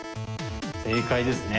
正解ですね。